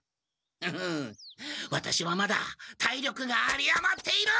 フフッワタシはまだ体力が有りあまっている！